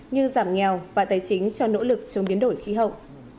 như giảm nghèo và tài chính cho nỗ lực chống biến đổi khí hậu